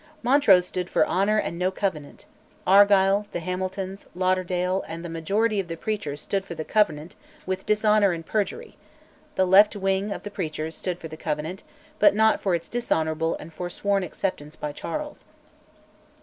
Montrose stood for honour and no Covenant; Argyll, the Hamiltons, Lauderdale, and the majority of the preachers stood for the Covenant with dishonour and perjury; the left wing of the preachers stood for the Covenant, but not for its dishonourable and foresworn acceptance by Charles.